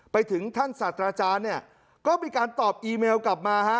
ไปถึงท่านศาสตราจารย์เนี่ยก็มีการตอบอีเมลกลับมาฮะ